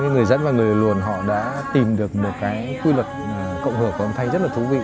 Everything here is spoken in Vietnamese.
người dẫn và người luồn họ đã tìm được một cái quy luật cộng hưởng của âm thanh rất là thú vị